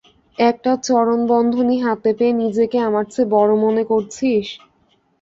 একটা চরণ-বন্ধনী হাতে পেয়ে নিজেকে আমার চেয়ে বড় মন করছিস?